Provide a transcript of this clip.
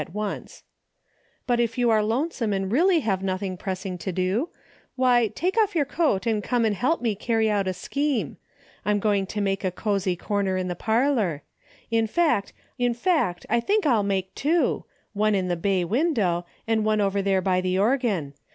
^'> 221 at once. " But if you are lonesome and really have nothing pressing to do, why take off your coat and come and help me carry out a scheme. I'm going to make a cozy corner in the parlor. In fact, I think I'll make two, one in the bay , window and one over there by the organ.